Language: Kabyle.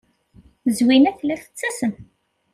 Zwina tella tettasem.